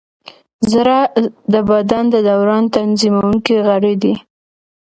زړه د بدن د دوران تنظیمونکی غړی دی.